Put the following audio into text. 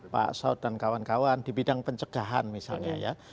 pak saud dan kawan kawan di bidang pencegahan misalnya ya